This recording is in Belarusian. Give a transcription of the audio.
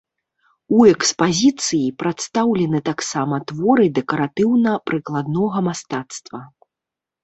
У экспазіцыі прадстаўлены таксама творы дэкаратыўна-прыкладнога мастацтва.